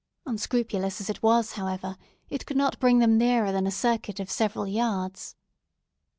Unscrupulous as it was, however, it could not bring them nearer than a circuit of several yards.